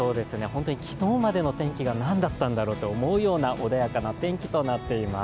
昨日までの天気が何だったんだというくらい穏やかな天気となっています。